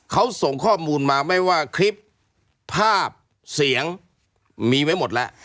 เขาส่งข้อมูลมาไม่ว่าคลิปภาพเสียงมีไว้หมดแล้ว